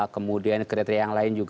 kemudian kriteria yang lain juga